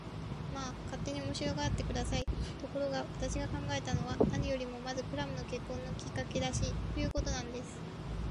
まあ、勝手に面白がって下さい。ところが、私が考えたのは、何よりもまずクラムが結婚のきっかけらしい、ということなんです。